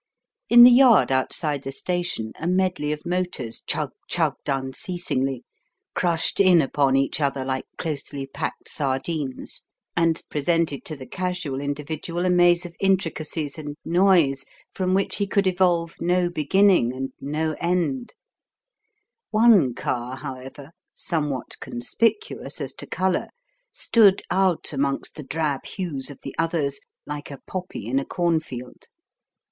In the yard outside the station a medley of motors chug chugged unceasingly, crushed in upon each other like closely packed sardines, and presented 4 The Riddle of the Purple Emperor to the casual individual a maze of intricacies and noise from which he could evolve no beginning and no end* One car. however, somewhat conspicuous as to colour, stood out amongst the drab hues of the others, like a poppy in a cornfield.